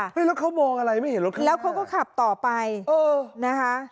แล้วเขามองอะไรไม่เห็นรถขึ้นแล้วเขาก็ขับต่อไปเออนะคะ